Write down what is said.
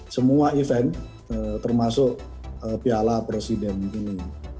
semua event termasuk piala presiden ini